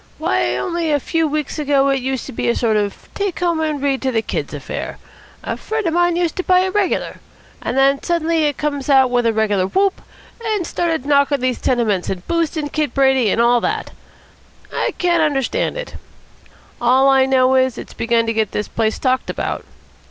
Why, only a few weeks ago it used to be a sort of take home and read to the kids affair. A friend of mine used to buy it regular. And then suddenly it comes out with a regular whoop, and started knocking these tenements and boosting Kid Brady, and all that. I can't understand it. All I know is that it's begun to get this place talked about.